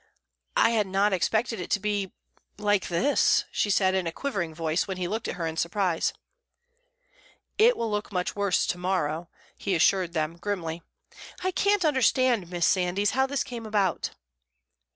"I had not expected it to be like this," she said in a quivering voice, when he looked at her in surprise. "It will look much worse to morrow," he assured them, grimly. "I can't understand, Miss Sandys, how this came about."